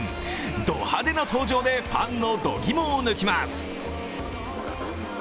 ド派手な登場でファンの度肝を抜きます。